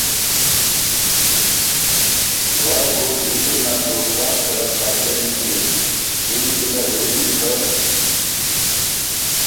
لواړه کوک ذکِر نک دوک هۀ که ا څېن ݭيې؟ دُوی کی له غوېکِن که ”